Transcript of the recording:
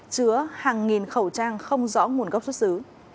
chứa hàng nghìn khẩu trang không rõ nguồn gốc xuất xứ